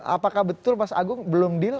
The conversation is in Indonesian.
apakah betul mas agung belum deal